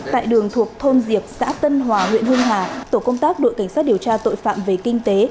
tại đường thuộc thôn diệp xã tân hòa huyện hưng hà tổ công tác đội cảnh sát điều tra tội phạm về kinh tế